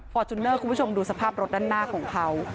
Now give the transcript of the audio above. จูเนอร์คุณผู้ชมดูสภาพรถด้านหน้าของเขา